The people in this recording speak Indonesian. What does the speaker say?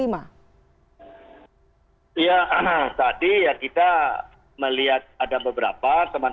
ya tadi kita melihat ada beberapa